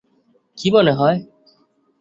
কী মনে হয়?